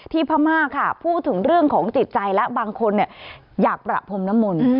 พม่าค่ะพูดถึงเรื่องของจิตใจและบางคนอยากประพรมน้ำมนต์